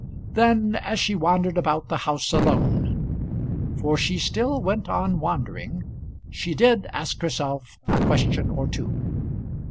Then, as she wandered about the house alone, for she still went on wandering, she did ask herself a question or two.